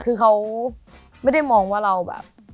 คือเขาไม่ได้มองว่าเราแบบ